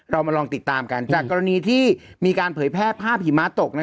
เรามาลองติดตามกันจากกรณีที่มีการเผยแพร่ภาพหิมะตก